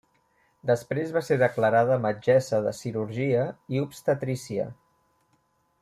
Després va ser declarada metgessa de cirurgia i obstetrícia.